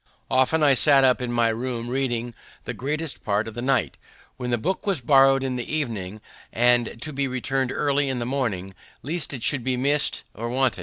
Often I sat up in my room reading the greatest part of the night, when the book was borrowed in the evening and to be returned early in the morning, lest it should be missed or wanted.